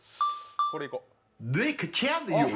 これいこう。